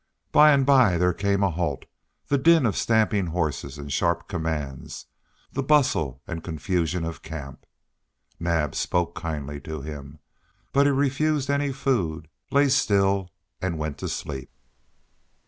By and by there came a halt, the din of stamping horses and sharp commands, the bustle and confusion of camp. Naab spoke kindly to him, but he refused any food, lay still and went to sleep.